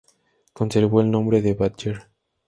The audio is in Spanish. Conservó el nombre de "Badger".